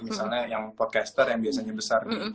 misalnya yang podcaster yang biasanya besar